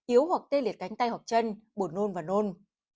yếu hoặc tê liệt cánh tay hoặc chân bột nôn và nôn